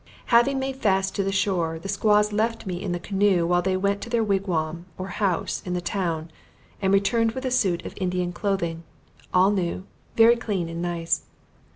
Having made fast to the shore, the Squaws left me in the canoe while they went to their wigwam or house in the town, and returned with a suit of Indian clothing, all new, and very clean and nice.